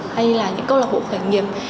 hay là những câu lạc hộ khởi nghiệp